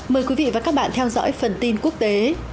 mời quý vị và các bạn theo dõi phần tin quốc tế